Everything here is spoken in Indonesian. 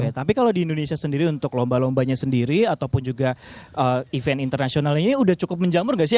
tapi kalau di indonesia sendiri untuk lomba lombanya sendiri ataupun juga event internasional ini udah cukup menjamur nggak sih